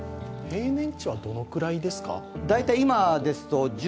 平年値はどれくらいですか？